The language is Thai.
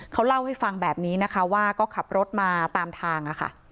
เขาเล่าให้ฟังแบบนี้นะคะว่าก็ขับรถมาตามทาง